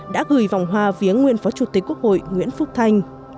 đã gửi vòng hoa viếng nguyên phó chủ tịch quốc hội nguyễn phúc thanh